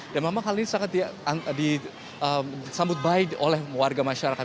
dan memang hal ini sangat disambut baik oleh warga masyarakat